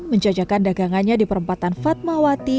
menjajakan dagangannya di perempatan fatmawati